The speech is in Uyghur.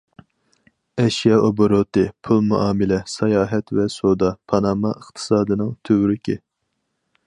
ئەشيا ئوبوروتى، پۇل مۇئامىلە، ساياھەت ۋە سودا پاناما ئىقتىسادىنىڭ تۈۋرۈكى.